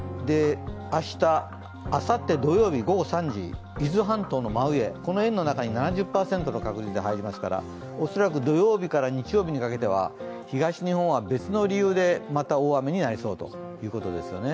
明日、あさって土曜日午後３時、伊豆半島の真上、この円の中に７０％の確率で入りますから、恐らく土曜日、日曜日にかけては東日本は別の理由でまた大雨になりそうという感じですね。